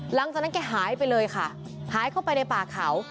หลังจากนั้นแกหายไปเลยค่ะหายเข้าไปในป่าเขา